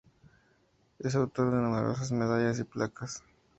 Es autor de numerosas medallas y placas.